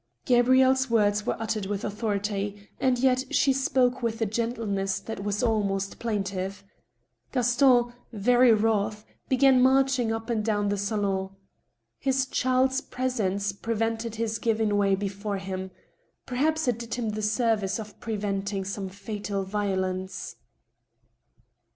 Gabrielle's words were uttered with authority, and yet she spoke with a gentleness that was almost plaintive. Gaston, very wroth, began marching up and down the salon. His child's presence pre vented his giving way before him — perhaps it did him the service of preventing some fatal violence.